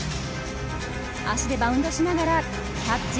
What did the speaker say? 足でバウンドしながらキャッチ。